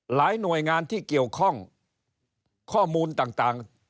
หน่วยงานที่เกี่ยวข้องข้อมูลต่าง